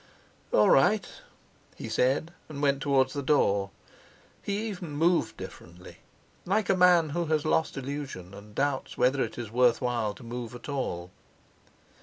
"All right!" he said, and went towards the door. He even moved differently, like a man who has lost illusion and doubts whether it is worth while to move at all.